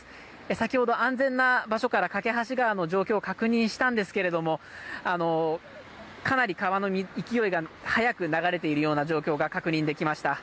先ほど、安全な場所から梯川の状況を確認したんですけれどもかなり川の勢いが早く流れているような状況が確認できました。